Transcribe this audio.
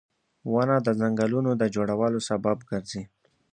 • ونه د ځنګلونو د جوړولو سبب ګرځي